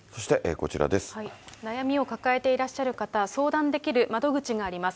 悩みを抱えていらっしゃる方、相談できる窓口があります。